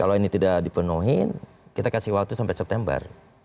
kalau ini tidak dipenuhi kita kasih waktu sampai september